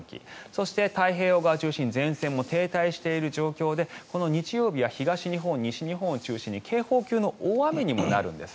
そして、太平洋側を中心に前線も停滞している状態で日曜日は東日本、西日本を中心に警報級の大雨にもなるんです。